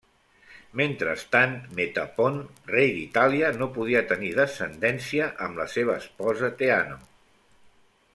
Mentrestant, Metapont, rei d'Itàlia, no podia tenir descendència amb la seva esposa Teano.